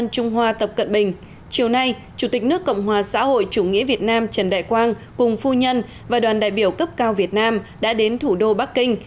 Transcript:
chiều nay chủ tịch nước cộng hòa xã hội chủ nghĩa việt nam trần đại quang cùng phu nhân và đoàn đại biểu cấp cao việt nam đã đến thủ đô bắc kinh